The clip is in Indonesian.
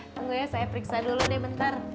tunggu ya saya periksa dulu deh bentar